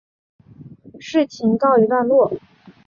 事件告一段落。